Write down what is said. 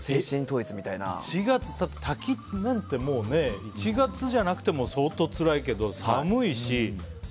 滝なんて、１月じゃなくても相当つらいけど、寒いし。